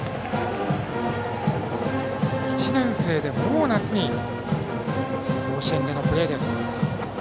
１年生で、もう夏に甲子園でのプレーです。